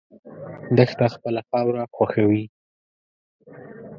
دښته خپله خاوره خوښوي.